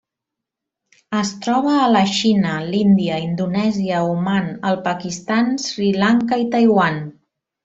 Es troba a la Xina, l'Índia, Indonèsia, Oman, el Pakistan, Sri Lanka i Taiwan.